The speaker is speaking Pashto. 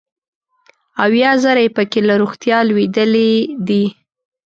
اویا زره یې پکې له روغتیا لوېدلي دي.